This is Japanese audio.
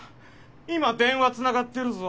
今電話つながってるぞ。